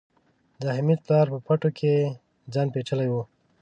د حميد پلار په پټو کې ځان پيچلی و.